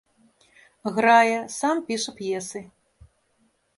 Грае, сам піша п'есы.